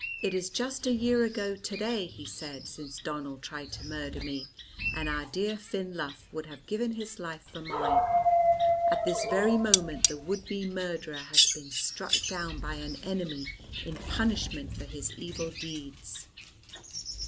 "It is just a year ago to day," he said, "since Donnell tried to murder me, and our dear Finn Lugh would have given his life for mine. At this very moment the would be murderer has been struck down by an enemy in punishment for his evil deeds."